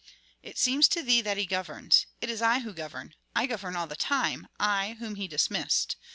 It seems to thee that he governs. It is I who govern, I govern all the time, I, whom he dismissed.